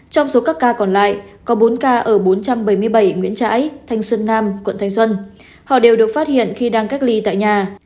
trong số các ca còn lại có bốn ca ở bốn trăm bảy mươi bảy nguyễn trãi thanh xuân nam quận thanh xuân họ đều được phát hiện khi đang cách ly tại nhà